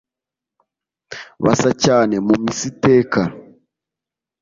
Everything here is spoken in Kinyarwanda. Basaba cyane mu misa iteka